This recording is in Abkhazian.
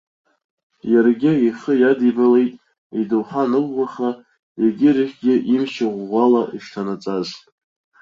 Иаргьы ихы иадибалеит, идоуҳа аныӷәӷәаха, егьырахьгьы имч ӷәӷәала ишҭанаҵаз.